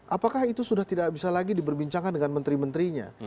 apakah itu sudah tidak bisa lagi diperbincangkan dengan menteri menterinya